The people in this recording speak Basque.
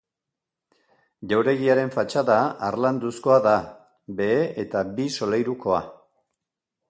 Jauregiaren fatxada harlanduzkoa da, behe eta bi solairukoa.